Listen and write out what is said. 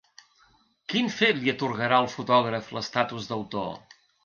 Quin fet li atorgarà al fotògraf l'estatus d'autor?